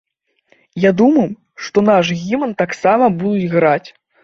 Я думаў, што наш гімн таксама будуць граць.